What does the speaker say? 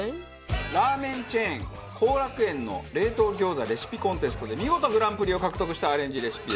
ラーメンチェーン幸楽苑の冷凍餃子レシピコンテストで見事グランプリを獲得したアレンジレシピです。